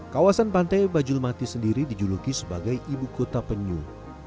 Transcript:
kawasan pantai bajulmati sendiri dijuluki sebagai ibu kota penyu